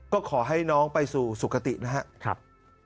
ก็ขอให้น้องไปสู่สุขตินะครับ